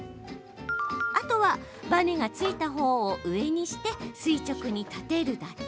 あとはバネが付いたほうを上にして、垂直に立てるだけ。